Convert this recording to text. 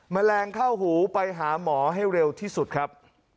แมลงเข้าหูไปหาหมอให้เร็วที่สุดครับ